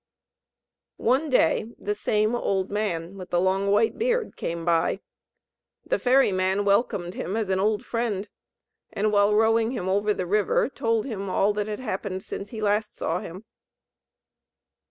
One day the same old man with the long white beard came by; the ferry man welcomed him as an old friend, and while rowing him over the river, told him all that had happened since he last saw him.